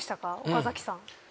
岡崎さん。